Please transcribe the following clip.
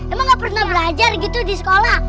emang gak pernah belajar gitu di sekolah